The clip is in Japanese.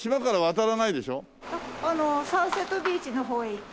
サンセットビーチの方へ行ったり。